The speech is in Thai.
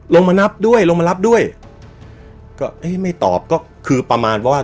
ลงมานับด้วยลงมารับด้วยก็เอ๊ะไม่ตอบก็คือประมาณว่า